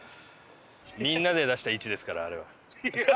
みんなで出した１ですからあれは。